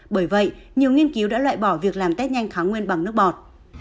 bởi vậy nhiều nghiên cứu đã loại bỏ việc làm test nhanh kháng nguyên bằng nước bọt